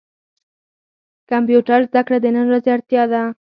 کمپيوټر زده کړه د نن ورځي اړتيا ده.